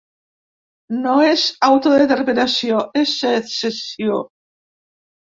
No és autodeterminació, és secessió.